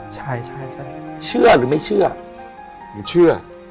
ใช่ใช่ใช่เชื่อหรือไม่เชื่อไม่เชื่อ